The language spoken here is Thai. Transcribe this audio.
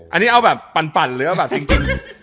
อันนี้เอาแบบปั่นหรือเอาแบบจริง